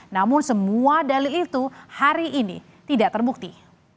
namun semua dali itu hari ini tidak terbukti